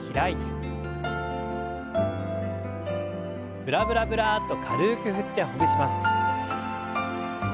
ブラブラブラッと軽く振ってほぐします。